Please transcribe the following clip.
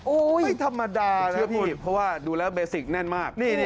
ไม่ธรรมดานะครับพี่เพราะว่าดูแล้วเบสิกแน่นมาก